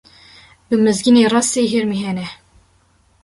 Bi Mizgînê re sê hirmî hene.